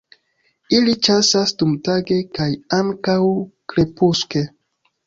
Ili ĉasas dumtage kaj ankaŭ krepuske.